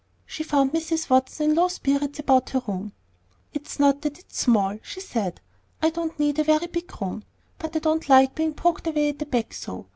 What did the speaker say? She found Mrs. Watson in very low spirits about her room. "It's not that it's small," she said. "I don't need a very big room; but I don't like being poked away at the back so.